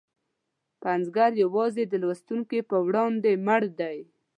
پنځګر یوازې د لوستونکي په وړاندې مړ دی.